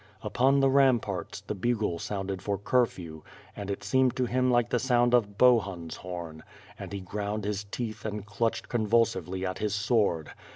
Upon the ramparts, the bugle sounded for curfew, and it seemed to him Klce the sound of Bohun's horn, and he ground his teeth and clutched con vulsively at his sword.